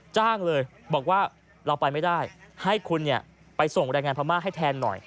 จ้างเลยบอกว่าเราไปไม่ได้ให้คุณไปส่งแรงงานพม่าให้แทนหน่อย